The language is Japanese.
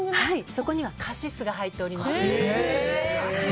そこにはカシスが入っております。